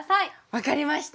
分かりました。